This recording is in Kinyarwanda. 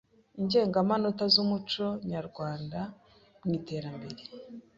Indengemenote z’Umuco Nyerwende mu Iterembere”